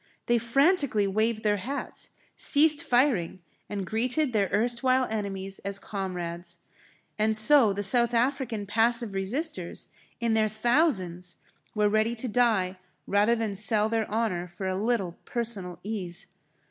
They frantically waved their hats, ceased firing, and greeted their erstwhile enemies as comrades. And so the South African passive resisters in their thousands were ready to die rather than sell their honour for a little personal ease.